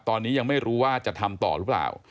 ตอนนี้ยังไม่รู้ว่าจะทำต่อหรือเปล่า